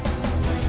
barunya udah mau buka